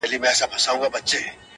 o خائن، خائف وي٫